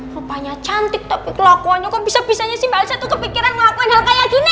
rupanya cantik tapi kelokonya kok bisa bisanya sih mbak aja tuh kepikiran ngelakuin hal kayak gini